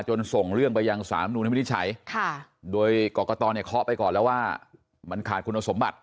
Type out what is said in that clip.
จนส่งเรื่องไปยังสารมนุมไม่ได้ใช้ค่ะโดยกรกฎตอเนี่ยเคาะไปก่อนแล้วว่ามันขาดคุณสมบัติ